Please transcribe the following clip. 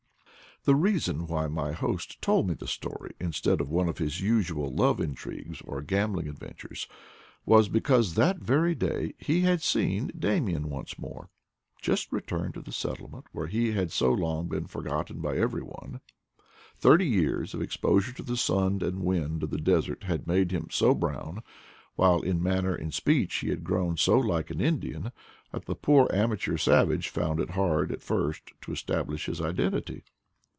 The reason why my host told me this story in stead of one of his usual love intrigues or gam bling adventures was because that very day he had seen Damian once more, just returned to the settlement where he had so long been forgotten by every one. Thirty years of exposure to the sun :f()^ ::;': &1&S&S» : IN PATAGONIA and wind of the desert had made him so brown, while in manner and speech he had grown so like an Indian, that the poor amateur savage found it hard at first to establish his identity.